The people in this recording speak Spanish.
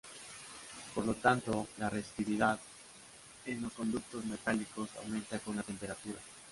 Por lo tanto, la resistividad en los conductores metálicos aumenta con la temperatura.